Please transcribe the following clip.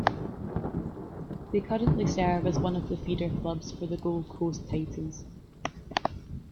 They currently serve as one of the feeder clubs for the Gold Coast Titans.